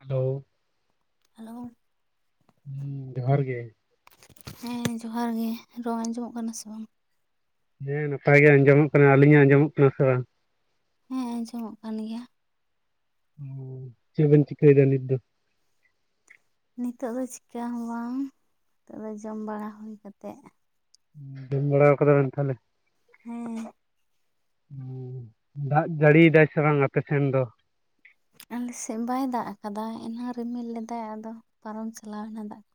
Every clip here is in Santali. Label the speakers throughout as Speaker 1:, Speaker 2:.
Speaker 1: ᱦᱮᱞᱳ
Speaker 2: ᱦᱮᱞᱳ
Speaker 1: ᱦᱮᱸ ᱡᱚᱦᱟᱨ ᱜᱮ
Speaker 2: ᱦᱮᱸ ᱡᱚᱦᱟᱨ ᱜᱮ ᱨᱚᱝ ᱟᱸᱡᱚᱢᱚᱜ ᱠᱟᱱᱟ ᱥᱮ ᱵᱟᱝ
Speaker 1: ᱦᱮᱸ ᱱᱟᱯᱟᱭ ᱜᱮ ᱟᱸᱡᱚᱢᱚᱜ ᱠᱟᱱᱟ ᱟᱞᱤᱧᱟᱜ ᱟᱸᱡᱚᱢᱚᱜ ᱠᱟᱱᱟ ᱥᱮ ᱵᱟᱝ
Speaker 2: ᱦᱮᱸ ᱟᱸᱡᱚᱢᱚᱜ ᱠᱟᱱ ᱜᱮᱭᱟ
Speaker 1: ᱦᱩ ᱪᱮᱜᱵᱮᱱ ᱪᱤᱠᱟᱭᱫᱟ ᱱᱩᱛ ᱫᱚ
Speaker 2: ᱱᱤᱛᱚᱜ ᱫᱚ ᱪᱤᱠᱟ ᱦᱚᱸ ᱵᱟᱝ ᱱᱤᱛᱚᱜ ᱫᱚ ᱡᱚᱢ ᱵᱟᱲᱟ ᱦᱩᱭ ᱠᱟᱛᱮᱜ
Speaker 1: ᱢᱻ ᱡᱚᱢ ᱵᱟᱲᱟ ᱠᱟᱫᱟ ᱵᱮᱱ ᱛᱟᱸᱦᱚᱞᱮ
Speaker 2: ᱦᱮᱸ
Speaker 1: ᱫᱟᱜ ᱡᱟᱹᱲᱤ ᱫᱟᱭ ᱥᱮ ᱵᱟᱝ ᱟᱯᱮ ᱥᱮᱱ ᱫᱚ
Speaker 2: ᱟᱞᱮ ᱥᱮᱫ ᱵᱟᱭ ᱫᱟᱜ ᱠᱟᱫᱟ ᱮᱱᱟᱝ ᱨᱤᱢᱤᱞ ᱞᱮᱫᱟᱭ ᱟᱫᱚ ᱯᱟᱨᱚᱢ ᱪᱟᱞᱟᱣᱮᱱᱟ ᱫᱟᱹᱜ ᱫᱚ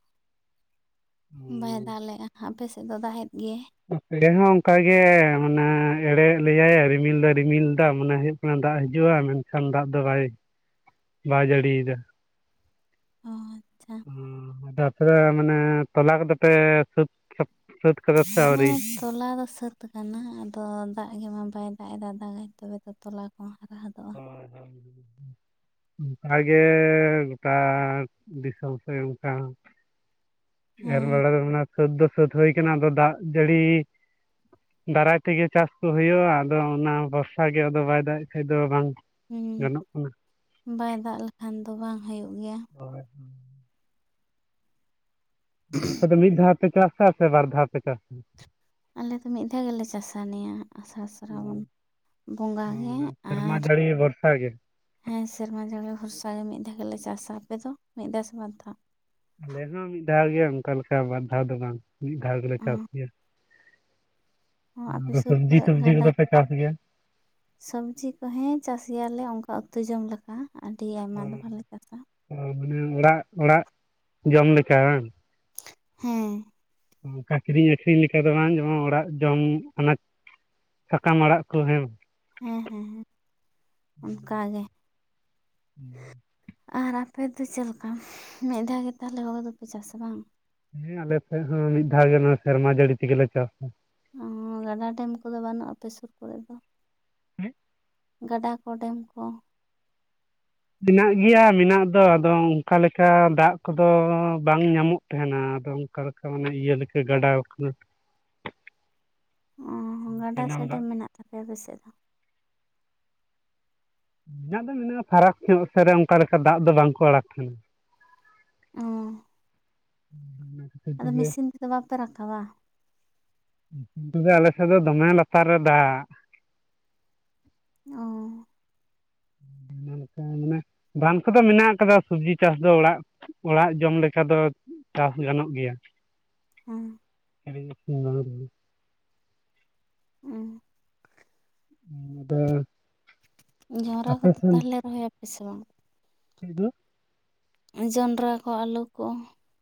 Speaker 2: ᱵᱟᱭ
Speaker 1: ᱦᱩᱸ,
Speaker 2: ᱫᱟᱜ ᱞᱮᱫᱟ ᱟᱯᱮᱥᱮᱫ ᱫᱚ ᱫᱟᱜ ᱮᱫ ᱜᱮᱭᱟᱭ
Speaker 1: ᱟᱞᱮ ᱦᱚᱸ ᱚᱱᱠᱟ ᱜᱮ ᱢᱟᱱᱮ ᱮᱲᱮ ᱞᱮᱭᱟᱭ ᱨᱤᱢᱤᱞᱫᱚ ᱨᱤᱢᱤᱞᱫᱟ ᱢᱟᱱᱮ ᱫᱟᱜ ᱦᱤᱡᱩᱜᱼᱟ ᱢᱮᱱᱠᱷᱟᱱ ᱫᱟᱜ ᱫᱚ ᱵᱟᱭ ᱵᱟᱭ ᱡᱟᱹᱲᱤᱭᱮᱫᱟ
Speaker 2: ᱟᱨ
Speaker 1: ᱚ ᱛᱟᱯᱚᱨᱮ ᱢᱟᱱᱮ ᱛᱚᱞᱟ ᱠᱚᱫᱚ ᱯᱮ ᱥᱟᱹᱛ ᱥᱟᱹᱛ ᱠᱟᱫᱟ ᱥᱮ ᱟᱹᱣᱨᱤ?
Speaker 2: ᱦᱚᱸ ᱛᱚᱞᱟ ᱫᱚ ᱥᱟᱹᱛ ᱠᱟᱱᱟ ᱟᱫᱚ ᱫᱟᱹᱜ ᱜᱮᱢᱟ ᱵᱟᱭ ᱫᱟᱹᱜ ᱮᱫᱟ ᱫᱟᱹᱠᱟᱭ ᱛᱚᱵᱮ ᱛᱚ ᱛᱚᱞᱟ ᱠᱚᱦᱚᱸ ᱦᱟᱨᱟ ᱦᱚᱫᱚᱜ-ᱟ᱾
Speaker 1: ᱦᱳᱭ ᱦᱳᱭ ᱚᱱᱠᱟᱜᱮ ᱜᱚᱴᱟ ᱫᱤᱥᱚᱢ ᱥᱮ ᱚᱱᱠᱟ᱾ ᱮᱨ
Speaker 2: ᱦᱮᱸ
Speaker 1: ᱵᱟᱲᱟ ᱫᱚ ᱢᱟᱱᱮ ᱥᱟᱹᱛ ᱫᱚ ᱥᱟᱹᱛ ᱦᱩᱭ ᱠᱟᱱᱟ ᱟᱫᱚ ᱫᱟᱜ ᱡᱟᱹᱲᱤ ᱫᱟᱨᱟᱭ ᱛᱮᱜᱮ ᱪᱟᱸᱥ ᱠᱚ ᱦᱳᱭᱳᱜᱼᱟ, ᱟᱫᱚ ᱚᱱᱟ ᱵᱷᱚᱨᱥᱟ ᱜᱮ ᱟᱫᱚ ᱵᱟᱭ ᱫᱟᱹᱜ ᱮᱡ ᱠᱷᱟᱡ ᱫᱚ ᱵᱟᱝ
Speaker 2: ᱦᱩᱸ
Speaker 1: ᱜᱟᱱᱚᱜ ᱠᱟᱱᱟ᱾
Speaker 2: ᱵᱟᱭ ᱫᱟᱜ ᱞᱮᱠᱷᱟᱱ ᱫᱚ ᱵᱟᱝ ᱦᱩᱭᱩᱜ ᱜᱮᱭᱟ᱾
Speaker 1: ᱦᱳᱭᱻ ᱦᱳᱭᱻ [inaudible] ᱟᱯᱮ ᱫᱚ ᱢᱤᱫ ᱫᱷᱟᱣ ᱯᱮ ᱪᱟᱸᱥᱟ ᱥᱮ ᱵᱟᱨ ᱫᱷᱟᱣ ᱯᱮ ᱪᱟᱥᱟ?
Speaker 2: ᱟᱞᱮ ᱫᱚ ᱢᱤᱫ ᱫᱷᱟᱣ ᱜᱮᱞᱮ ᱪᱟᱥᱟ ᱱᱤᱭᱟᱹ ᱟᱥᱟᱲ ᱥᱨᱟᱵᱚᱱ᱾ ᱵᱚᱸᱜᱟ ᱜᱮ
Speaker 1: ᱚᱱᱟ ᱥᱮᱨᱢᱟ
Speaker 2: ᱟᱨ
Speaker 1: ᱡᱟᱹᱲᱤ ᱵᱷᱚᱨᱥᱟ ᱜᱮ
Speaker 2: ᱦᱮᱸ ᱥᱮᱨᱢᱟ ᱡᱷᱟᱹᱲᱤ ᱵᱷᱚᱨᱥᱟ ᱜᱮ ᱢᱤᱫ ᱫᱷᱟᱣ ᱜᱮᱞᱮ ᱪᱟᱸᱥᱟ᱾ ᱟᱯᱮ ᱫᱚ ᱢᱤᱫ ᱫᱷᱟᱣ ᱥᱮ ᱵᱟᱨ ᱫᱷᱟᱣ?
Speaker 1: ᱟᱞᱮ ᱦᱚᱸ ᱢᱤᱫ ᱫᱷᱟᱣ ᱜᱮ ᱚᱱᱠᱟ ᱞᱮᱠᱟ, ᱵᱟᱨ ᱫᱷᱟᱣ ᱫᱚ ᱵᱟᱝ ᱢᱤᱫ ᱫᱷᱟᱣ ᱜᱮᱞᱮ ᱪᱟᱥ ᱜᱮᱭᱟ᱾
Speaker 2: ᱚᱸ ᱟᱯᱮ
Speaker 1: ᱟᱫᱚ
Speaker 2: ᱥᱩᱨ
Speaker 1: ᱥᱚᱵᱽᱡᱤ
Speaker 2: ᱠᱚᱨᱮ
Speaker 1: ᱥᱚᱵᱽᱡᱤ
Speaker 2: ᱜᱟᱰᱟ
Speaker 1: ᱠᱚᱫᱚ ᱯᱮ ᱪᱟᱥ ᱜᱮᱭᱟ
Speaker 2: ᱥᱚᱵᱽᱡᱤ ᱠᱚ ᱦᱮᱸ ᱪᱟᱥ ᱜᱮᱭᱟᱞᱮ ᱚᱱᱠᱟ, ᱩᱛᱩ ᱡᱚᱢ ᱞᱮᱠᱟ ᱟᱹᱰᱤ ᱟᱭᱢᱟ ᱫᱚ ᱵᱟᱞᱮ ᱪᱟᱥᱟ᱾
Speaker 1: ᱚ ᱢᱟᱱᱮ ᱚᱹᱲᱟᱜ-ᱚᱹᱲᱟᱜ ᱡᱚᱢ ᱞᱮᱠᱟ ᱵᱟᱝ?
Speaker 2: ᱦᱮᱸ᱾
Speaker 1: ᱚᱱᱠᱟ ᱟᱠᱷᱨᱤᱧ-ᱟᱠᱷᱨᱤᱧ ᱞᱮᱠᱟ ᱫᱚ ᱵᱟᱝ ᱡᱮᱢᱚᱱ ᱚᱹᱲᱟᱜ ᱡᱚᱢ ᱟᱱᱟᱡ ᱥᱟᱠᱟᱢ ᱟᱲᱟᱜ ᱠᱚ ᱦᱮᱸ
Speaker 2: ᱦᱮᱸ ᱦᱮᱸ ᱦᱮᱸ ᱚᱱᱠᱟᱜᱮ-
Speaker 1: ᱢᱻ [inaudible]
Speaker 2: ᱟᱨ ᱟᱯᱮᱫᱚ ᱪᱮᱫ ᱞᱮᱠᱟ ᱢᱤᱫ ᱫᱷᱟᱣ ᱜᱮ, ᱛᱟᱦᱚᱞᱮ ᱦᱳᱲᱳ ᱫᱚᱯᱮ ᱪᱟᱥᱟ ᱵᱟᱝ?
Speaker 1: ᱦᱮᱸ ᱟᱞᱮ ᱥᱮᱫ ᱦᱚᱸ ᱢᱤᱫ ᱫᱷᱟᱣ ᱜᱮ, ᱥᱮᱨᱢᱟ ᱡᱟᱹᱲᱤ ᱛᱮᱜᱮᱞᱮ ᱪᱟᱥᱟ᱾
Speaker 2: ᱚ ᱜᱟᱰᱟ ᱰᱮᱢ ᱠᱚᱫᱚ ᱵᱟᱹᱱᱩᱜ ᱟᱯᱮ ᱥᱩᱨ ᱠᱚᱨᱮ ᱫᱚ?
Speaker 1: ᱪᱮᱫ?
Speaker 2: ᱜᱟᱸᱰᱟ ᱠᱚ ᱰᱮᱢ ᱠᱚ?
Speaker 1: ᱢᱮᱱᱟᱜ ᱜᱮᱭᱟ ᱢᱮᱱᱟᱜ ᱫᱚ ᱟᱫᱚ ᱚᱱᱠᱟ ᱞᱮᱠᱟ ᱫᱟᱜ ᱠᱚᱫᱚ ᱵᱟᱝ ᱧᱟᱢᱚᱜ ᱛᱟᱦᱮᱸᱱᱟ ᱟᱫᱚ ᱚᱱᱠᱟ ᱞᱮᱠᱟ ᱢᱟᱱᱮ ᱤᱭᱟᱹ ᱞᱮᱠᱟ ᱜᱟᱰᱟ ᱟᱠᱟᱱ
Speaker 2: ᱚᱻ ᱜᱟᱰᱟ ᱥᱮ ᱰᱮᱢ ᱢᱮᱱᱟᱜ ᱛᱟᱯᱮᱭᱟ ᱟᱯᱮᱥᱮᱫ ᱫᱚ?
Speaker 1: ᱢᱮᱱᱟᱜ ᱫᱚ ᱢᱮᱱᱟᱜᱼᱟ ᱯᱷᱟᱨᱟᱠ ᱧᱚᱜ ᱥᱮᱫ ᱨᱮ ᱚᱱᱠᱟ ᱞᱮᱠᱟ ᱫᱟᱜ ᱫᱚ ᱵᱟᱝᱠᱚ ᱟᱲᱟᱠ ᱛᱟᱦᱮᱸᱱᱟ
Speaker 2: ᱚᱸ
Speaker 1: ᱦᱩᱸᱻ ᱦᱩᱸᱻ᱾ [inaudible]
Speaker 2: ᱟᱹᱫᱚ ᱢᱮᱥᱤᱱ ᱛᱮᱫᱚ ᱵᱟᱯᱮ ᱨᱟᱠᱟᱵᱟ?
Speaker 1: ᱱᱚᱛᱮᱫᱚ ᱟᱞᱮᱥᱮᱫ ᱫᱚ ᱫᱚᱢᱮ ᱞᱟᱹᱛᱟᱨ ᱨᱮ ᱫᱟᱹᱜ᱾
Speaker 2: ᱚᱻ᱾
Speaker 1: ᱚᱱᱠᱟ ᱢᱟᱱᱮ ᱵᱟᱱ ᱠᱚᱫᱚ ᱢᱮᱱᱟᱜ ᱠᱟᱫᱟ ᱥᱚᱵᱡᱤ ᱪᱟᱥ ᱫᱚ ᱚᱲᱟᱜ ᱚᱲᱟᱜ ᱡᱚᱢ ᱞᱮᱠᱟ ᱫᱚ ᱪᱟᱹᱥ ᱜᱟᱱᱚᱜ ᱜᱮᱭᱟ᱾
Speaker 2: ᱦᱮᱸ [unintelligible]
Speaker 1: [unintelligible]
Speaker 2: ᱦᱮᱸ
Speaker 1: ᱟᱫᱚ [unintelligible]
Speaker 2: ᱡᱟᱣᱨᱟ ᱠᱚᱫᱚ ᱛᱟᱦᱚᱞᱮ ᱨᱚᱦᱚᱭᱟᱯᱮ ᱥᱮ ᱵᱟᱝ?
Speaker 1: ᱦ [unintelligible]
Speaker 2: ᱡᱚᱱᱰᱨᱟ ᱠᱚ ᱟᱞᱩ ᱠᱚ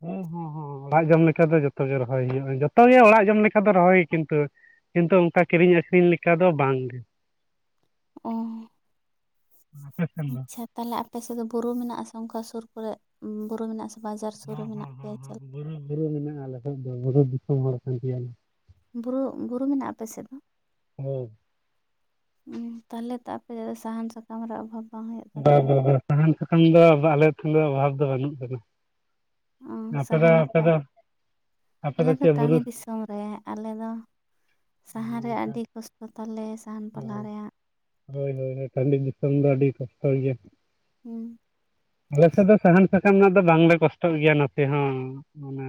Speaker 1: ᱦᱚᱸ ᱦᱚᱸ ᱚᱲᱟᱜ ᱡᱚᱢ ᱞᱮᱠᱟ ᱫᱚ ᱡᱚᱛᱚ ᱜᱮ ᱨᱚᱦᱚᱭ ᱦᱳᱭᱳᱜᱼᱟ᱾ ᱡᱚᱛᱚᱜᱮ ᱚᱲᱟᱜ ᱡᱚᱢ ᱞᱮᱠᱟ ᱫᱚ ᱨᱚᱦᱚᱭ ᱠᱤᱱᱛᱩ ᱠᱤᱱᱛᱩ ᱚᱱᱠᱟ ᱠᱤᱨᱤᱧ ᱟᱹᱠᱷᱨᱤᱧ ᱞᱮᱠᱟ ᱫᱚ ᱵᱟᱝ ᱜᱮ᱾
Speaker 2: ᱚ
Speaker 1: ᱟᱯᱮ ᱥᱮᱱ ᱫᱚ
Speaker 2: ᱟᱪᱪᱷᱟ᱾ ᱛᱟᱦᱟᱞᱮ ᱟᱯᱮ ᱥᱮᱫ ᱫᱚ ᱵᱩᱨᱩ ᱢᱤᱱᱟᱜ ᱟᱥᱮ ᱚᱱᱠᱟ ᱥᱳᱨ ᱠᱚᱨᱮ, ᱵᱩᱨᱩ ᱢᱤᱱᱟᱜ-ᱟ ᱥᱮ? ᱵᱟᱡᱟᱨ ᱥᱩᱨ ᱨᱮ
Speaker 1: ᱦᱚᱸᱻ
Speaker 2: ᱢᱮᱱᱟᱜ
Speaker 1: ᱦᱚᱸᱻ ᱦᱚᱸᱻ
Speaker 2: ᱯᱮᱭᱟ ᱪᱮᱫ
Speaker 1: ᱵᱩᱨᱩ-ᱵᱩᱨᱩ ᱢᱮᱱᱟᱜᱼᱟ ᱟᱞᱮ ᱥᱮᱫ ᱫᱚ ᱵᱩᱨᱩ ᱫᱤᱥᱚᱢ ᱦᱚᱲ ᱠᱟᱱ ᱜᱤᱭᱟᱞᱮ᱾
Speaker 2: ᱵᱩᱨᱩ-ᱵᱩᱨᱩ ᱢᱤᱱᱟᱜᱼᱟ ᱟᱯᱮ ᱥᱮᱫ ᱫᱚ?
Speaker 1: ᱦᱳ [unintelligible]
Speaker 2: ᱦᱩᱸ ᱛᱟᱦᱚᱞᱮ ᱛᱚ ᱟᱯᱮ ᱥᱟᱦᱟᱱ ᱥᱟᱠᱟᱢ ᱨᱮ ᱚᱵᱷᱟᱵ
Speaker 1: ᱵᱟ ᱵᱟ ᱵᱟ ᱥᱟᱦᱟᱱ ᱥᱟᱠᱟᱢ ᱫᱚ ᱟᱞᱮ ᱴᱷᱮᱱ ᱫᱚ ᱚᱵᱷᱟᱵ ᱫᱚ ᱵᱟᱹᱱᱩᱜ ᱟᱠᱟᱫᱟ
Speaker 2: ᱚ
Speaker 1: ᱟᱯᱮ ᱫᱚ ᱟᱯᱮ
Speaker 2: ᱥᱟᱦᱟᱱᱟᱯᱮ
Speaker 1: ᱫᱚ ᱟᱯᱮ
Speaker 2: ᱟᱞᱮ ᱫᱚ
Speaker 1: ᱪᱮᱫ ᱵᱩᱨᱩ
Speaker 2: ᱴᱟᱺᱰᱤ ᱫᱤᱥᱚᱢ ᱨᱮ ᱟᱞᱮ ᱫᱚ ᱥᱟᱦᱟᱱ ᱨᱮᱭᱟ ᱟᱹᱰᱤ ᱠᱚᱥᱴᱚ ᱛᱟᱞᱮ ᱥᱟᱦᱟᱱ ᱯᱟᱞᱦᱟ ᱨᱮᱭᱟᱜ
Speaker 1: ᱦᱳᱭ ᱦᱳᱭ ᱴᱟᱺᱰᱤ ᱫᱤᱥᱚᱢ ᱫᱚ ᱟᱹᱰᱤ ᱠᱚᱥᱴᱚ ᱜᱤᱭᱟ
Speaker 2: ᱦᱩᱸ
Speaker 1: ᱟᱞᱮ ᱥᱮᱫ ᱫᱚ ᱥᱟᱦᱟᱱ ᱥᱟᱠᱟᱢ ᱨᱮᱱᱟᱜ ᱫᱚ ᱵᱟᱝᱞᱮ ᱠᱚᱥᱴᱚᱜ ᱜᱤᱭᱟ ᱱᱚᱛᱮ ᱦᱚᱸ ᱢᱟᱱᱮ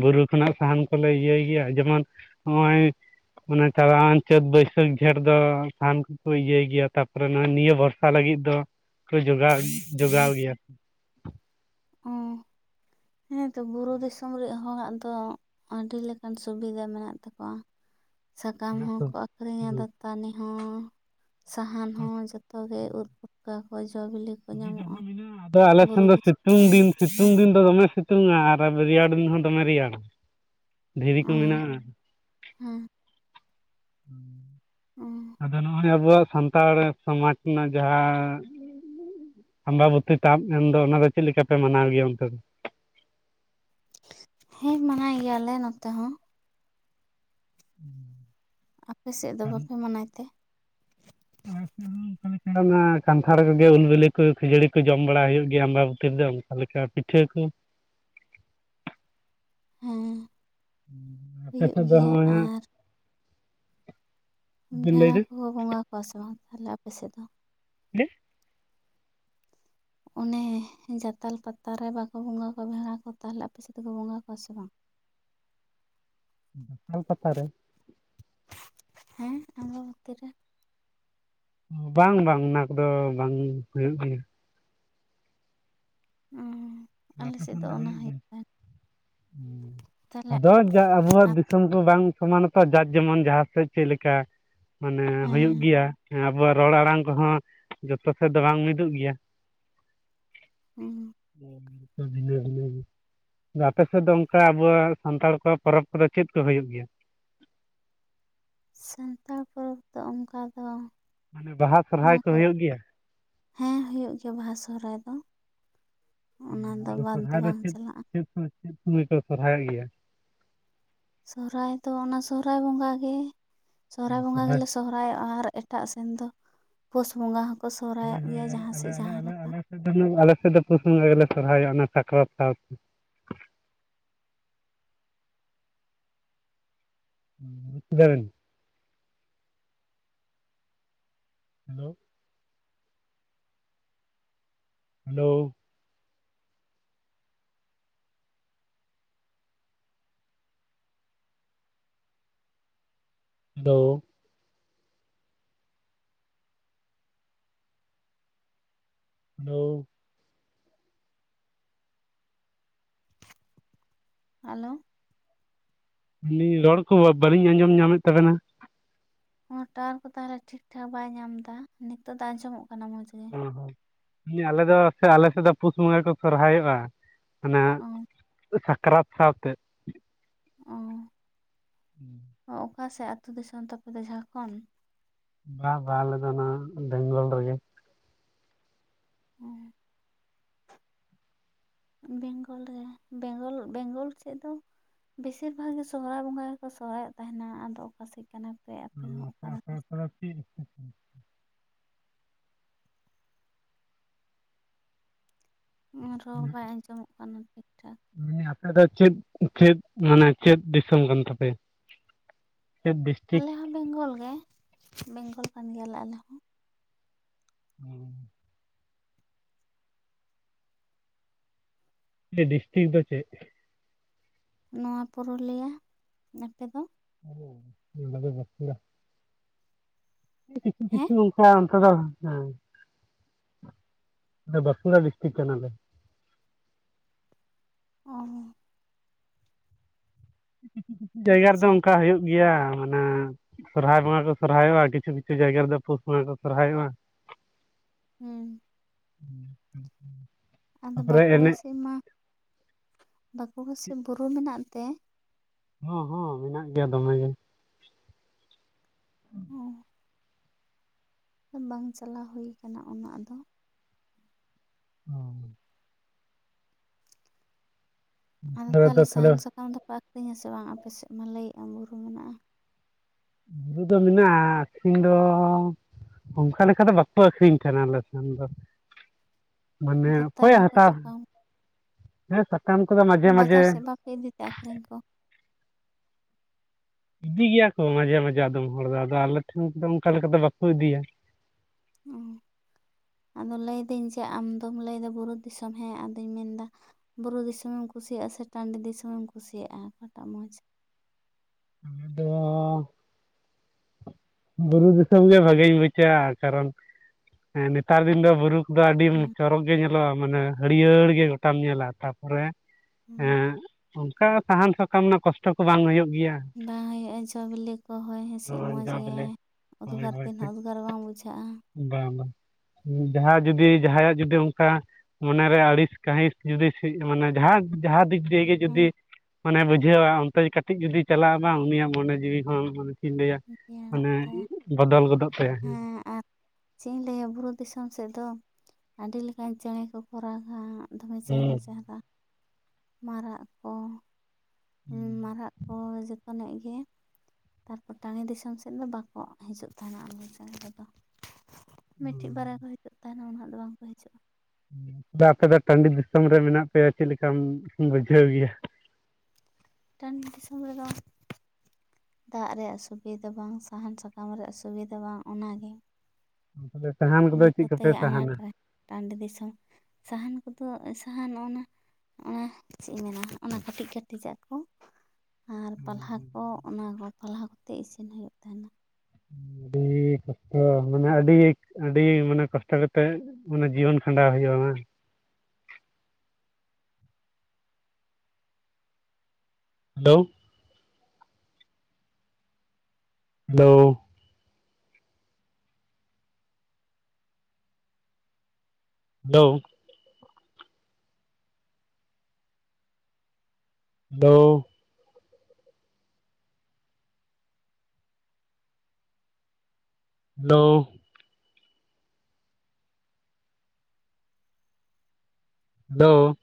Speaker 1: ᱵᱩᱨᱩ ᱠᱷᱚᱱᱟᱜ ᱥᱟᱦᱟᱱ ᱠᱚᱞᱮ ᱤᱭᱟᱹᱭ ᱜᱤᱭᱟ ᱡᱮᱢᱚᱱ ᱱᱚᱜᱼᱚᱭ ᱢᱟᱱᱮ ᱪᱟᱞᱟᱣᱮᱱ ᱪᱟᱹᱛ ᱵᱟᱹᱭᱥᱟᱹᱠᱷ ᱡᱷᱮᱸᱴ ᱫᱚ ᱥᱟᱦᱟᱱ ᱠᱚᱠᱚ ᱤᱭᱟᱹᱭ ᱜᱤᱭᱟ ᱛᱟᱯᱚᱨᱮ ᱱᱚᱣᱟ ᱱᱤᱭᱟᱹ ᱵᱚᱨ ᱥᱟ ᱞᱟᱹᱜᱤᱫ ᱫᱚᱠᱚ ᱡᱚᱜᱟᱣ ᱡᱚᱜᱟᱣ ᱜᱤᱭᱟ
Speaker 2: ᱦᱩᱸ ᱦᱮᱸ ᱛᱚ ᱵᱩᱨᱩ ᱫᱤᱥᱚᱢ ᱨᱮᱭᱟᱜ ᱦᱚᱲᱟᱜ ᱫᱚ ᱟᱹᱰᱤ ᱞᱮᱠᱟᱱ ᱥᱩᱵᱤᱫᱷᱟ ᱢᱮᱱᱟᱜ ᱛᱟᱠᱚᱣᱟ ᱥᱟᱠᱟᱢ ᱦᱚᱸᱠᱚ ᱟᱠᱷᱨᱤᱧᱟ ᱫᱟᱹᱛᱟᱹᱱᱤ ᱦᱚᱸ ᱥᱟᱦᱟᱱ ᱦᱚᱸ ᱡᱚᱛᱚ ᱜᱮ ᱩᱫ ᱯᱩᱴᱠᱟᱹ ᱠᱚ ᱡᱚ ᱵᱤᱞᱤ ᱠᱚ
Speaker 1: ᱵᱤᱨ
Speaker 2: ᱧᱟᱢᱚᱜᱼᱟ
Speaker 1: ᱡᱟᱦᱟ ᱢᱮᱱᱟᱜᱼᱟ ᱟᱫᱚ ᱟᱞᱮ ᱥᱮᱱ
Speaker 2: ᱵᱩᱨᱩ
Speaker 1: ᱫᱚ
Speaker 2: ᱫᱤᱥᱚᱢ
Speaker 1: ᱥᱤᱛᱩᱝ ᱫᱤᱱ ᱥᱤᱛᱩᱝ ᱫᱤᱱ ᱫᱚ ᱫᱚᱢᱮ ᱥᱤᱛᱩᱝᱼᱟ ᱟᱨ ᱨᱮᱭᱟᱲ ᱫᱤᱱ ᱦᱚᱸ ᱫᱚᱢᱮ ᱨᱮᱭᱟᱲᱟ ᱫᱷᱤᱨᱤ ᱠᱚ ᱢᱮᱱᱟᱜᱼᱟ
Speaker 2: ᱦᱩᱸ
Speaker 1: ᱦᱩᱸ ᱟᱫᱚ ᱱᱚᱜᱼᱚᱭ ᱟᱵᱚᱣᱟᱜ ᱥᱟᱱᱛᱟᱲ ᱥᱚᱢᱟᱡᱽ ᱨᱮᱱᱟᱜ ᱡᱟᱦᱟᱸ ᱟᱢᱵᱟᱵᱚᱛᱤ ᱛᱟᱯ ᱮᱱᱫᱚ ᱚᱱᱟ ᱫᱚ ᱪᱮᱫ ᱞᱮᱠᱟᱯᱮ ᱢᱟᱱᱟᱣ ᱜᱤᱭᱟ ᱚᱱᱛᱮ ᱫᱚ
Speaker 2: ᱦᱮᱸ ᱢᱟᱱᱟᱭ ᱜᱮᱭᱟᱞᱮ ᱱᱚᱛᱮ ᱦᱚᱸ
Speaker 1: ᱦᱩᱸ
Speaker 2: ᱟᱯᱮ ᱥᱮᱫ ᱫᱚ ᱵᱟᱯᱮ ᱢᱟᱱᱟᱭ ᱛᱮ
Speaker 1: ᱟᱪᱪ [unintelligible] ᱪᱚᱱᱟ ᱠᱟᱱᱴᱷᱟᱲ ᱠᱚᱜᱮ ᱩᱞ ᱵᱮᱞᱮ ᱠᱚ ᱠᱷᱟᱹᱡᱟᱹᱲᱤ ᱠᱚ ᱡᱚᱢ ᱵᱟᱲᱟ ᱦᱩᱭᱩᱜ ᱜᱮᱭᱟ ᱟᱢᱵᱟᱵᱛᱤ ᱨᱮᱫᱚ ᱚᱱᱠᱟ ᱞᱮᱠᱟ ᱯᱤᱴᱷᱟᱹ ᱠᱳ
Speaker 2: ᱦᱮᱸ
Speaker 1: ᱟᱯᱮ
Speaker 2: ᱦᱩᱭᱩᱜ
Speaker 1: ᱥᱮᱫ ᱫᱚ
Speaker 2: ᱜᱮᱭᱟ
Speaker 1: ᱦᱚᱸᱜᱼᱚᱭ ᱦᱟᱸᱜ
Speaker 2: ᱟᱨ
Speaker 1: ᱵᱤᱱ
Speaker 2: ᱵᱷᱮᱲᱟ
Speaker 1: ᱞᱟᱹᱭᱫᱟ
Speaker 2: ᱠᱚᱦᱚ ᱵᱚᱸᱜᱟ ᱠᱚᱣᱟ ᱥᱮ ᱵᱟᱝ ᱛᱟᱦᱚᱞᱮ ᱟᱯᱮ ᱥᱮᱫ ᱫᱚ
Speaker 1: ᱡᱮ [unintelligible]
Speaker 2: ᱚᱱᱮ ᱡᱟᱛᱟᱞ ᱯᱟᱛᱟ ᱨᱮ ᱵᱟᱠᱚ ᱵᱚᱸᱜᱟ ᱠᱚᱣᱟ ᱵᱷᱮᱲᱟ ᱠᱚ ᱛᱟᱦᱚᱞᱮ ᱟᱯᱮ ᱥᱮᱫ ᱫᱚᱠᱚ ᱵᱚᱸᱜᱟ ᱠᱚᱣᱟ ᱥᱮ ᱵᱟᱝ
Speaker 1: ᱡᱟᱛᱟᱞ ᱯᱟᱛᱟ ᱨᱮ
Speaker 2: ᱦᱮᱸ ᱟᱢᱵᱟᱵᱚᱛᱤ ᱨᱮ
Speaker 1: ᱵᱟᱝ ᱵᱟᱝ ᱚᱱᱟ ᱠᱚᱫᱚ ᱵᱟᱝ ᱦᱩᱭᱩᱜ ᱜᱤᱭᱟ
Speaker 2: ᱩᱸ
Speaker 1: ᱟᱯᱮ ᱥᱮᱱ ᱫᱚ ᱦᱩᱭᱩᱜ ᱜᱤᱭᱟ
Speaker 2: ᱛᱟᱦᱚᱞᱮ
Speaker 1: ᱟᱫᱚ ᱪᱷᱟ ᱟᱵᱳᱣᱟᱜ ᱫᱤᱥᱚᱢ ᱫᱚ ᱵᱟᱝ ᱥᱚᱢᱟᱱ ᱟᱛᱚ ᱡᱟᱨ ᱡᱮᱢᱚᱱ ᱡᱟᱦᱟᱸ ᱥᱮᱫ ᱪᱮᱫ ᱞᱮᱠᱟ ᱢᱟᱱᱮ ᱦᱳᱭᱩᱜ
Speaker 2: ᱦᱮᱸ
Speaker 1: ᱜᱤᱭᱟ ᱟᱵᱚᱣᱟᱜ ᱨᱚᱲ ᱟᱲᱟᱝ ᱠᱚᱦᱚᱸ ᱡᱚᱛᱚ ᱥᱮᱫ ᱫᱚ ᱵᱟᱝ ᱢᱤᱫᱩᱜ ᱜᱤᱭᱟ
Speaker 2: ᱦᱮᱸ
Speaker 1: ᱵᱷᱤᱱᱟᱹ ᱵᱷᱤᱱᱟᱹ ᱟᱯᱮ ᱥᱮᱫ ᱫᱚ ᱚᱱᱠᱟ ᱟᱵᱚᱣᱟᱜ ᱥᱟᱱᱛᱟᱲ ᱠᱚᱣᱟᱜ ᱯᱚᱨᱚᱵᱽ ᱠᱚᱫᱚ ᱪᱮᱫ ᱠᱚ ᱦᱩᱭᱩᱜ ᱜᱮᱭᱟ?
Speaker 2: ᱥᱟᱱᱛᱟᱲ ᱯᱚᱨᱚᱵᱽ ᱫᱚ ᱚᱱᱠᱟ ᱫᱚ,
Speaker 1: ᱢᱟᱱᱮ ᱵᱟᱦᱟ ᱥᱚᱨᱦᱟᱭ ᱠᱚ ᱦᱩᱭᱩᱜ ᱜᱮᱭᱟ,
Speaker 2: ᱦᱮᱸ ᱦᱩᱭᱩᱜ ᱜᱮᱭᱟ ᱵᱟᱦᱟ ᱥᱚᱨᱟᱭ ᱫᱚ
Speaker 1: ᱚ,
Speaker 2: ᱚᱱᱟ ᱫᱚ
Speaker 1: ᱟᱫᱚ
Speaker 2: ᱵᱟᱫ ᱫᱚ
Speaker 1: ᱥᱚᱨᱦᱟᱭ
Speaker 2: ᱵᱟᱝ
Speaker 1: ᱪᱮᱫ
Speaker 2: ᱪᱟᱞᱟᱜᱼᱟ,
Speaker 1: ᱪᱮᱫ ᱥᱚᱢᱚᱭ ᱪᱮᱫ ᱥᱩᱢᱟᱹᱭ ᱠᱚ ᱥᱚᱨᱦᱟᱭᱚᱜ ᱜᱮᱭᱟ,
Speaker 2: ᱥᱚᱦᱨᱟᱭ ᱫᱚ ᱚᱱᱟ ᱥᱚᱦᱨᱟᱭ ᱵᱚᱸᱜᱟᱜᱮ ᱥᱚᱨᱦᱟᱭ ᱵᱚᱸᱜᱟ ᱜᱮᱞᱮ ᱥᱚᱦᱨᱟᱭᱚᱜ ᱟᱨ, ᱮᱴᱟᱜ ᱥᱮᱱ ᱫᱚ ᱯᱩᱥ ᱵᱚᱸᱜᱟ ᱦᱚᱸᱠᱚ ᱥᱚᱦᱨᱟᱭᱚᱜ ᱜᱮᱭᱟ ᱡᱟᱦᱟᱸ ᱥᱮᱫ ᱡᱟᱦᱟᱸ ᱞᱮᱠᱟ
Speaker 1: ᱟᱞ ᱟᱞᱮ ᱥᱮᱫ ᱫᱚ ᱯᱩᱥ ᱵᱚᱸᱜᱟ ᱜᱮᱞᱮ ᱥᱚᱨᱦᱟᱭᱚᱜᱼᱟ ᱚᱱᱟ ᱥᱟᱠᱨᱟᱛ ᱥᱟᱣᱛᱮ, ᱵᱩᱡ ᱠᱮᱫᱟᱵᱮᱱ ᱦᱮᱞᱳ ᱦᱮᱞᱳ ᱦᱮᱞᱳ ᱱᱚ [unintelligible]
Speaker 2: ᱦᱮᱞᱳ
Speaker 1: ᱟᱹ ᱨᱚᱲ ᱠᱚ ᱵᱟᱹᱞᱤᱧ ᱟᱸᱡᱚᱢ ᱧᱟᱢᱮᱫ ᱛᱟᱵᱮᱱᱟ,
Speaker 2: ᱴᱟᱣᱟᱨ ᱠᱚ ᱛᱟᱦᱚᱞᱮ ᱴᱷᱤᱠ ᱴᱷᱟᱠ ᱵᱟᱭ ᱧᱟᱢ ᱮᱫᱟ ᱱᱤᱛᱚᱜ ᱫᱚ ᱟᱸᱡᱚᱢᱚᱜ ᱠᱟᱱᱟ ᱢᱚᱸᱡᱽ ᱜᱮ,
Speaker 1: ᱚ ᱟᱞᱮ ᱫᱚ ᱥᱮ ᱟᱞᱮ ᱥᱮᱫ ᱫᱚ ᱯᱩᱥ ᱵᱚᱸᱜᱟ ᱠᱚ ᱥᱚᱨᱦᱟᱭᱚᱜᱼᱟ, ᱢᱟᱱᱮ
Speaker 2: ᱚ
Speaker 1: ᱥᱟᱠᱨᱟᱛ ᱥᱟᱶᱛᱮ,
Speaker 2: ᱚᱸ
Speaker 1: ᱦᱮᱸ
Speaker 2: ᱚᱠᱟ ᱥᱮᱫ ᱟᱹᱛᱩᱳ ᱫᱤᱥᱚᱢ ᱛᱟᱯᱮ ᱫᱚ ᱡᱷᱟᱲᱠᱷᱚᱱ?
Speaker 1: ᱵᱟ ᱵᱟ ᱟᱞᱮ ᱫᱚ ᱚᱱᱟ ᱵᱮᱝᱚᱞ ᱨᱮᱜᱮ,
Speaker 2: ᱵᱮᱝᱜᱚᱞ ᱨᱮ ᱵᱮᱝᱜᱚᱞ ᱵᱮᱝᱜᱚᱞ ᱥᱮᱫ ᱫᱚ, ᱵᱮᱥᱤᱨ ᱵᱷᱟᱜᱽ ᱜᱮ ᱥᱚᱦᱨᱟᱭ ᱵᱚᱸᱜᱟ ᱜᱮᱠᱚ ᱥᱚᱦᱨᱟᱭᱮᱫ ᱛᱟᱦᱮᱱᱟ ᱟᱫᱚ ᱚᱠᱟᱥᱮᱫ ᱠᱟᱱᱟ ᱯᱮ ᱟᱯᱮ ᱫᱚ ᱚᱠᱟ ᱱᱟᱠᱷᱟ
Speaker 1: ᱛᱚᱲᱟ
Speaker 2: ᱨᱚᱲ ᱵᱟᱭ ᱟᱸᱡᱚᱢᱚᱜ ᱠᱟᱱᱟ ᱴᱷᱤᱠ ᱴᱷᱟᱠ
Speaker 1: ᱮ ᱟᱯᱮ ᱫᱚ ᱪᱮᱫ ᱪᱮᱫ ᱢᱟᱱᱮ ᱪᱮᱫ ᱫᱤᱥᱚᱢ ᱠᱟᱱ ᱛᱟᱯᱮ ᱪᱮᱫ ᱰᱤᱥᱴᱤᱠ,
Speaker 2: ᱡᱟᱦᱟᱸ ᱵᱮᱝᱜᱚᱞ ᱜᱮ ᱵᱮᱝᱜᱚᱞ ᱠᱟᱱ ᱜᱮᱭᱟᱞᱮ ᱟᱞᱮ ᱦᱚᱸ
Speaker 1: ᱦᱮᱸ [inaudible] ᱰᱤᱥᱴᱤᱠ ᱫᱚ ᱪᱮᱫ,
Speaker 2: ᱱᱚᱣᱟ ᱯᱩᱨᱩᱞᱤᱭᱟ ᱟᱯᱮᱫᱚ?
Speaker 1: ᱵ [inaudible] ᱠᱤᱪᱷᱩ
Speaker 2: ᱦᱮᱸ
Speaker 1: ᱠᱤᱪᱷᱩ ᱚᱱᱠᱟᱱ ᱟ ᱦᱮᱸ [unintelligible] ᱟ ᱵᱟᱸᱠᱩᱲᱟ ᱰᱤᱥᱴᱤᱠ ᱠᱟᱱᱟᱞᱮ
Speaker 2: ᱚ
Speaker 1: ᱠᱤᱪᱷᱩ ᱠᱤᱪᱷᱩ ᱡᱟᱭᱜᱟ ᱨᱮᱫᱚ
Speaker 2: ᱟᱪᱪᱷᱟ
Speaker 1: ᱚᱱᱠᱟ ᱦᱩᱭᱩᱜ ᱜᱮᱭᱟ ᱢᱟᱱᱮ ᱥᱚᱨᱦᱟᱭ ᱵᱚᱸᱜᱟ ᱠᱚ ᱥᱚᱨᱦᱟᱭᱚᱜᱼᱟ ᱠᱤᱪᱷᱩ ᱠᱤᱪᱷᱩ ᱡᱟᱭᱜᱟ ᱨᱮᱫᱚ ᱯᱩᱥ ᱵᱚᱸᱜᱟ ᱠᱚ ᱥᱚᱨᱦᱟᱭᱚᱜᱼᱟ
Speaker 2: ᱦᱩᱸ
Speaker 1: ᱦᱮᱸ ᱦᱮᱸ
Speaker 2: ᱟᱫᱚ ᱵᱟᱸᱠᱩᱲᱟ ᱥᱮᱡ ᱢᱟ ᱵᱟᱸᱠᱩᱲᱟ ᱥᱮ ᱵᱩᱨᱩ ᱢᱮᱱᱟᱜ ᱛᱮ
Speaker 1: ᱦᱚᱸ ᱦᱚᱸ ᱢᱮᱱᱟᱜ ᱜᱮᱭᱟ ᱫᱚᱢᱮ ᱜᱮ ᱦᱩᱸ
Speaker 2: ᱚ ᱵᱟᱝ ᱪᱟᱞᱟᱣ ᱦᱩᱭᱩ ᱟᱠᱟᱱᱟ ᱩᱱᱟᱹᱜ ᱫᱚ
Speaker 1: ᱦ [inaudible]
Speaker 2: ᱟᱫᱚ
Speaker 1: ᱟᱯᱮ ᱫᱚ
Speaker 2: ᱛᱟᱦᱚᱞᱮ ᱥᱟᱦᱟᱱ ᱥᱟᱠᱟᱢ ᱫᱚᱯᱮ ᱟᱹᱠᱷᱨᱤᱧᱟ ᱥᱮ ᱵᱟᱝ ᱟᱯᱮ ᱥᱮᱫ ᱢᱟ ᱞᱟᱹᱭᱮᱫᱼᱟ ᱵᱩᱨᱩ ᱢᱮᱱᱟᱜᱼᱟ
Speaker 1: ᱵᱩᱨᱩ ᱫᱚ ᱢᱮᱱᱟᱜᱼᱟ ᱟᱹᱠᱷᱧ ᱫᱚ ᱚᱱᱠᱟ ᱞᱮᱠᱟ ᱫᱚ ᱵᱟᱠᱚ ᱟᱹᱠᱷᱨᱤᱧ ᱠᱟᱱᱟ ᱟᱞᱮ ᱥᱮᱱ ᱫᱚ, ᱢᱟᱱᱮ ᱚᱠᱚᱭᱮ
Speaker 2: ᱫᱟᱹᱛᱟᱹᱱᱤ ᱠᱚ
Speaker 1: ᱦᱟᱛᱟᱣ
Speaker 2: ᱥᱟᱠᱟᱢ
Speaker 1: ᱦᱮᱸ ᱥᱟᱠᱟᱢ ᱠᱚᱫᱚ ᱢᱟᱡᱷᱮ ᱢᱟᱡᱷᱮ
Speaker 2: ᱵᱟᱡᱟᱨ [unintelligible] ᱤᱫᱤ ᱛᱟᱠ ᱠᱷᱟᱨᱤᱧ ᱠᱚ᱾
Speaker 1: ᱤᱫᱤᱭ ᱜᱮᱭᱟ ᱠᱚ ᱢᱟᱡᱷᱮ ᱢᱟᱡᱮ ᱟᱫᱚᱢ ᱦᱚᱲ ᱫᱚ ᱟᱫᱚ ᱟᱞᱮ ᱴᱷᱮᱱ ᱚᱝᱠᱟ ᱞᱮᱠᱟ ᱫᱚ ᱵᱟᱠᱚ ᱤᱫᱤᱭᱟ᱾
Speaker 2: ᱚ
Speaker 1: [inaudible]
Speaker 2: ᱟᱫᱚ ᱞᱟᱹᱭ ᱫᱟᱹᱧ ᱡᱮ ᱟᱢ ᱫᱚᱢ ᱞᱟᱹᱭᱫᱟ ᱵᱩᱨᱩ ᱫᱤᱥᱚᱢ ᱦᱮᱸ ᱟᱫᱚᱧ ᱢᱮᱱᱫᱟ᱾ ᱵᱩᱨᱩ ᱫᱤᱥᱚᱢ ᱮᱢ ᱠᱩᱥᱤᱭᱟᱜᱼᱟ ᱥᱮ ᱴᱟᱺᱰᱤ ᱫᱤᱥᱚᱢ ᱮᱢ ᱠᱩᱥᱤᱭᱟᱜᱼᱟ ᱚᱠᱟᱴᱟᱜ ᱢᱚᱸᱪ᱾
Speaker 1: [unintelligible] ᱟᱞᱮ ᱫᱚ᱾ ᱵᱩᱨᱩ ᱫᱤᱥᱚᱢ ᱜᱮ ᱵᱷᱟᱜᱤᱧ ᱵᱩᱡ ᱟ ᱠᱟᱨᱚᱱ ᱱᱮᱛᱟᱨ ᱫᱤᱱ ᱫᱚ ᱵᱩᱨᱩ- ᱫᱚ ᱟᱹᱰᱤᱢ
Speaker 2: ᱦᱮᱸ
Speaker 1: ᱪᱚᱨᱚᱠ ᱜᱮ ᱧᱮᱞᱚᱜᱼᱟ ᱢᱟᱱᱮ ᱦᱟᱹᱨᱭᱟᱹᱲ ᱜᱮ ᱜᱚᱴᱟᱢ ᱧᱮᱞᱟ ᱛᱟᱯᱚᱨᱮ᱾ ᱦᱮᱸ ᱚᱱᱠᱟ ᱥᱟᱦᱟᱱ ᱥᱟᱠᱟᱢ ᱨᱮᱱᱟᱜ ᱠᱚᱥᱴᱚ ᱠᱚ ᱵᱟᱝ ᱦᱩᱭᱩᱜ ᱜᱮᱭᱟ᱾
Speaker 2: ᱵᱟᱝ ᱦᱳᱭᱳᱜᱼᱟ ᱪᱚ ᱵᱤᱞᱤ ᱠᱚ ᱦᱚᱭ ᱦᱮᱸ᱾ ᱥᱮᱜ
Speaker 1: ᱦᱳᱭ
Speaker 2: ᱢᱚᱡᱽ
Speaker 1: ᱡᱟ
Speaker 2: ᱜᱮ
Speaker 1: ᱵᱚᱞᱮ ᱦᱳᱭ
Speaker 2: ᱩᱫᱽᱜᱟᱨ ᱛᱮ
Speaker 1: ᱦᱳᱭ
Speaker 2: ᱱᱟᱜ ᱩᱫᱽᱜᱟᱨ ᱵᱟᱝ ᱵᱩᱡᱷᱟᱹᱜᱼᱟ᱾
Speaker 1: ᱵᱟᱝ ᱵᱟᱝ ᱡᱟᱦᱟᱸ ᱡᱩᱫᱤ ᱡᱟᱦᱟᱸᱭᱟᱜ ᱡᱩᱫᱤ ᱚᱝᱠᱟ- ᱢᱚᱱᱮ ᱨᱮ ᱟᱹᱲᱤᱥ ᱠᱟᱹᱦᱤᱥ ᱡᱩᱫᱤ ᱥᱤᱡ ᱢᱟᱱᱮ ᱡᱟᱦᱟᱸ ᱡᱟᱦᱟᱸ ᱫᱤᱠ ᱫᱤᱭᱮ ᱜᱮ
Speaker 2: ᱦᱮᱸ
Speaker 1: ᱡᱩᱫᱤ- ᱢᱟᱱᱮ ᱵᱩᱡᱷᱟᱹᱣᱟ ᱚᱱᱛᱮ ᱠᱟᱹᱴᱤᱡᱽ ᱡᱩᱫᱤ ᱪᱟᱞᱟᱜᱼᱟ ᱵᱟᱝ ᱩᱱᱤᱭᱟᱜ ᱢᱚᱱᱮ ᱡᱤᱣᱤ ᱦᱚᱸ ᱪᱮᱫ ᱤᱧ ᱞᱟᱹᱭ-ᱟ
Speaker 2: ᱨᱮᱭᱟᱲᱚᱜ
Speaker 1: ᱢᱟᱱᱮ ᱵᱚᱫᱚᱞ ᱜᱚᱫᱚᱜ ᱛᱟᱭᱟ ᱦᱮᱸ᱾
Speaker 2: ᱦᱮ ᱟ ᱪᱮᱫ ᱤᱧ ᱞᱟᱹᱭ-ᱟ ᱵᱩᱨᱩ ᱫᱤᱥᱚᱢ ᱥᱮᱫ ᱫᱚ ᱟᱹᱰᱤ ᱞᱮᱠᱟᱱ ᱪᱮᱬᱮ ᱠᱚᱠᱚ ᱨᱟᱜ ᱜᱟ ᱫᱚᱢᱮ
Speaker 1: ᱦᱩᱸ
Speaker 2: ᱪᱮᱦᱟᱨᱟ ᱪᱮᱦᱟᱨᱟ ᱢᱟᱨᱟᱜ ᱠᱚᱸ ᱦᱩᱸ ᱢᱟᱨᱟᱜ ᱠᱚ ᱡᱚᱛᱚᱱᱟᱜ ᱜᱮ᱾ ᱛᱟᱨ ᱯᱚᱨ ᱴᱟᱰᱤ ᱫᱤᱥᱚᱢ ᱥᱮᱫ ᱫᱚ ᱵᱟᱠᱚ ᱦᱮᱡᱩᱜ ᱛᱟᱦᱮᱱᱟ ᱮᱢᱱᱤ ᱪᱮᱬᱮ ᱠᱚᱫᱚ
Speaker 1: ᱦᱩᱸ
Speaker 2: ᱢᱤᱫᱴᱤᱡᱽ ᱵᱟᱨᱭᱟ ᱠᱚ ᱦᱤᱡᱩᱜ ᱛᱟᱦᱮᱱᱟ ᱩᱱᱟᱜ ᱫᱚ ᱵᱟᱝ ᱠᱚ ᱦᱤᱡᱩᱜᱼᱟ᱾
Speaker 1: ᱫᱟ ᱟᱯᱮ ᱫᱚ ᱴᱟᱺᱰᱤ ᱫᱤᱥᱚᱢ ᱨᱮ ᱢᱮᱱᱟᱜ ᱯᱮᱭᱟ ᱪᱮᱫ ᱞᱮᱠᱟᱢ ᱵᱩᱡᱷᱟᱹᱣ ᱜᱮᱭᱟ᱾
Speaker 2: ᱴᱟᱺᱰᱤ ᱫᱤᱥᱚᱢ ᱨᱮᱫᱚ ᱫᱟᱜᱽ ᱨᱮᱭᱟᱜ ᱥᱩᱵᱤᱫᱟ ᱵᱟᱝ ᱥᱟᱦᱟᱱ ᱥᱟᱠᱟᱢ ᱨᱮᱭᱟᱜ ᱥᱩᱵᱤᱫᱟ ᱵᱟᱝ ᱚᱱᱟ ᱜᱮ᱾
Speaker 1: [unintelligible] ᱥᱟᱦᱟᱱ ᱠᱚᱫᱚ
Speaker 2: ᱡᱚᱛᱚ
Speaker 1: ᱪᱮᱫ ᱠᱚᱯᱮ
Speaker 2: ᱛᱮᱜᱮ ᱟᱱᱟᱴ
Speaker 1: ᱥᱟᱦᱟᱱᱟ
Speaker 2: ᱴᱟᱺᱰᱤ ᱫᱤᱥᱚᱢ ᱥᱟᱦᱟᱱ ᱠᱚᱫᱚ ᱥᱟᱦᱟᱱ ᱚᱱᱟ ᱚᱱᱟ ᱪᱮᱫ ᱤᱧ ᱢᱮᱱᱟ ᱚᱱᱟ ᱠᱟᱹᱴᱤᱡᱽ ᱠᱟᱹᱴᱤᱡᱽ ᱡᱟᱜ ᱠᱚ᱾ ᱟᱨ ᱯᱟᱞᱦᱟ ᱠᱚ ᱚᱱᱟ ᱠᱚ ᱯᱟᱞᱦᱟ ᱠᱚᱛᱮ ᱤᱥᱤᱱ ᱦᱩᱭᱩᱜ ᱛᱟᱦᱮᱱᱟ᱾
Speaker 1: [unintelligible] [unintelligible] ᱟᱹᱰᱤ ᱠᱚᱥᱴᱚ ᱢᱟᱱᱮ ᱟᱹᱰᱤ ᱜᱮ ᱟᱹᱰᱤ ᱢᱟᱱᱮ ᱠᱚᱥᱴᱚ ᱠᱟᱛᱮᱜ ᱢᱟᱱᱮ ᱡᱤᱭᱚᱱ ᱠᱷᱟᱸᱰᱟᱣ ᱦᱩᱭᱩᱜᱼᱟ ᱵᱟᱝ᱾ Hello hello. Hello. Hello hello hello